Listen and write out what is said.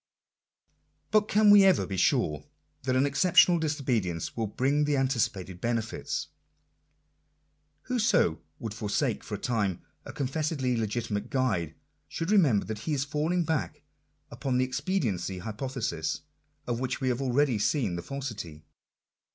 But can we ever be sure that an exceptional disobedience will bring the anticipated benefits ? Whoso would forsake for a time a confessedly legitimate guide, should remember that he is falling back upon that expediency hypothesis of which we have already seen the falsity.